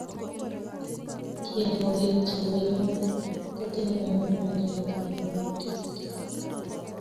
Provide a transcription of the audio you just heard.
tienwokik chepo iman kotinyo mukuleldo nepo kipkaa